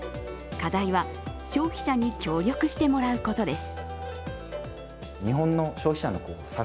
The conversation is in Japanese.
課題は消費者に協力してもらうことです。